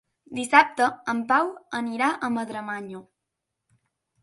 Dissabte en Pau anirà a Madremanya.